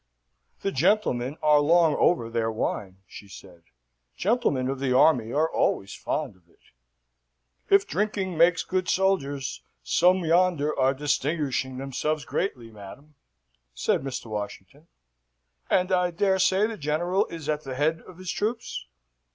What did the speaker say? "The gentlemen are long over their wine," she said; "gentlemen of the army are always fond of it." "If drinking makes good soldiers, some yonder are distinguishing themselves greatly, madam," said Mr. Washington. "And I dare say the General is at the head of his troops?"